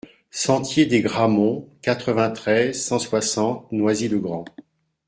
Sentier des Grammonts, quatre-vingt-treize, cent soixante Noisy-le-Grand